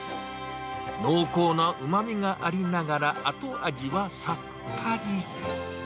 濃厚なうまみがありながら、後味はさっぱり。